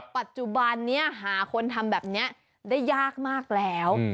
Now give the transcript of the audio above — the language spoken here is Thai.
ปัจจุบันนี้หาคนทำแบบนี้ได้ยากมากแล้ว